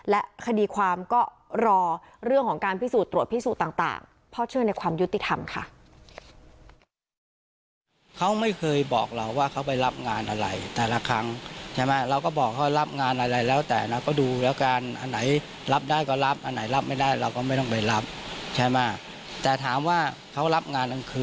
และคดีความก็รอเรื่องของการพิสูจน์ตรวจพิสูจน์ต่าง